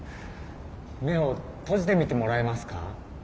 目を閉じてみてもらえますか？